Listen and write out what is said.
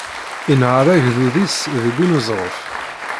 Inher agdud-is deg uneẓruf.